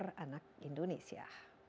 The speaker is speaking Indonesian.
kanker anak indonesia